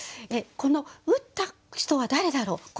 この打った人は誰だろう？